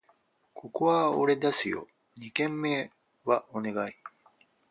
ここは俺出すよ！二軒目はお願い